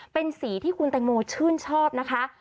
เป็นสีที่คุณแตงโมชื่นชอบนะคะ